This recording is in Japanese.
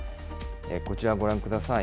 こちら、ご覧ください。